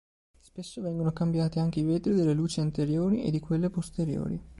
Spesso vengono cambiati anche i vetri delle luci anteriori e di quelle posteriori.